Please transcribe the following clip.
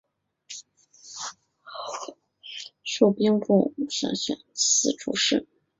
授兵部武选司主事。